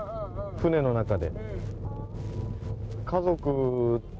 船の中で。